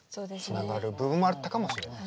つながる部分もあったかもしれない。